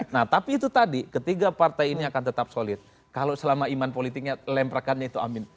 nah tapi itu tadi ketiga partai ini akan tetap solid kalau selama iman politiknya lemprakannya itu amin